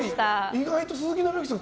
意外と鈴木伸之さん